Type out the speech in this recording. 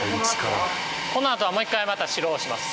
このあとはもう一回また白をします。